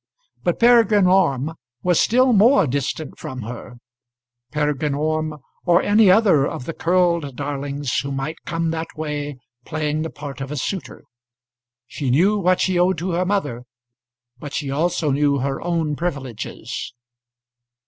But Peregrine Orme was still more distant from her; Peregrine Orme, or any other of the curled darlings who might come that way playing the part of a suitor. She knew what she owed to her mother, but she also knew her own privileges.